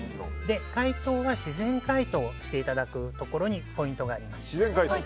解凍は自然解凍していただくところにポイントがあります。